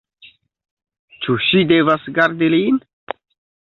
Ĉu ŝi devas gardi lin?